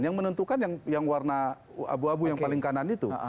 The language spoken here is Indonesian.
yang menentukan yang warna abu abu yang paling kanan itu